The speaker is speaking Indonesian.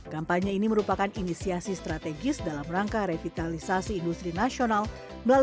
kampanye ini merupakan inisiasi strategis dalam rangka revitalisasi industri nasional melalui